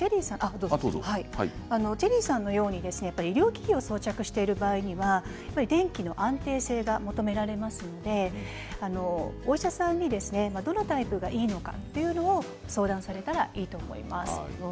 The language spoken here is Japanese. チェリーさんのように医療機器を装着している場合には電気の安定性が求められますのでお医者さんにどのタイプがいいのかということを相談されたらいいと思います。